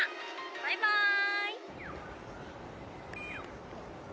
バイバイ！」